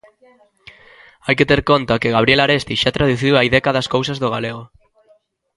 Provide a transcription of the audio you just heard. Hai que ter conta que Gabriel Aresti xa traduciu hai décadas cousas do galego.